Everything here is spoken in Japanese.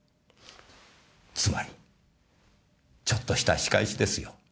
つまりちょっとした仕返しですよ。